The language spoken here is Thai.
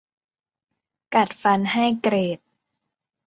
กัดฟันให้เกรด